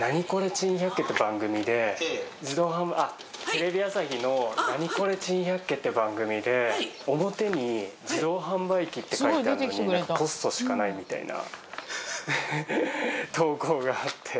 テレビ朝日の『ナニコレ珍百景』っていう番組で表に「自動販売機」って書いてあるのにポストしかないみたいな投稿があって。